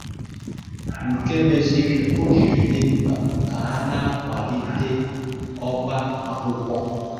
nke mezịrị o jiri dị mkpà ka a na-akwàlite ọba akwụkwọ